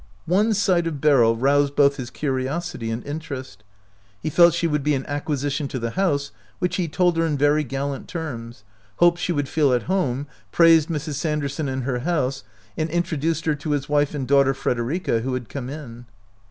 One sight of Beryl roused both his curiosity and interest. He felt she would be an acquisition to the house, which he told her in very gallant terms, hoped she would feel at home, praised Mrs. Sanderson and her house, and introduced her to his wife and daughter Frederica, who had come in.